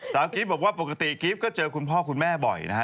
สาวกรีฟบอกว่าปกติกรีฟก็เจอคุณพ่อคุณแม่บ่อยนะฮะ